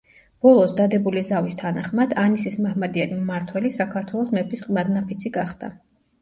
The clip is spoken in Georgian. ბოლოს, დადებული ზავის თანახმად, ანისის მაჰმადიანი მმართველი საქართველოს მეფის ყმადნაფიცი გახდა.